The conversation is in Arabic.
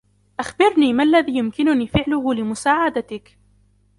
أخبرني ما الذي يمكنني فعله لمساعدتك.